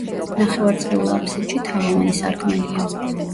ნახევარწრიულ აფსიდში თაღოვანი სარკმელია.